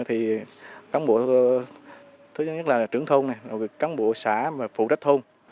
thì các bộ thứ nhất là trưởng thôn các bộ xã và phụ trách thôn